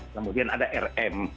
kemudian ada rm